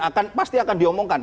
walaupun pasti akan diomongkan